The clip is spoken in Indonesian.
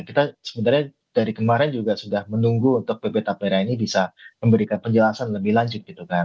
kita sebenarnya dari kemarin juga sudah menunggu untuk pb tapera ini bisa memberikan penjelasan lebih lanjut gitu kan